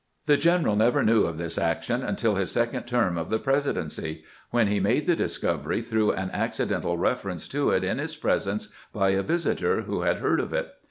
The general never knew of this action until his second term of the Presidency, when he made the discovery through an ac cidental reference to it in his presence by a visitor who had heard of it.